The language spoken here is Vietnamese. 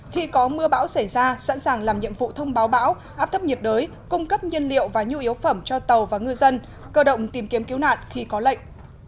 khi có mưa bão xảy ra sẵn sàng làm nhiệm vụ thông báo bão áp thấp nhiệt đới cung cấp nhân liệu và nhu yếu phẩm cho tàu và ngư dân cơ động tìm kiếm cứu nạn khi có lệnh